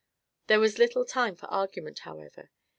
There was little time for argument, however.